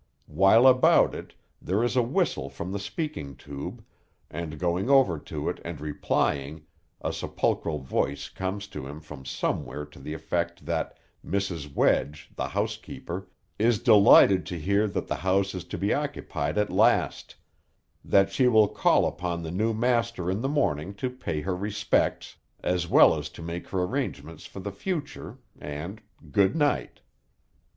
While about it there is a whistle from the speaking tube, and going over to it and replying, a sepulchral voice comes to him from somewhere to the effect that Mrs. Wedge, the housekeeper, is delighted to hear that the house is to be occupied at last; that she will call upon the new master in the morning to pay her respects, as well as to make her arrangements for the future; and, good night.